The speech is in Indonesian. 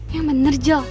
yang bener jal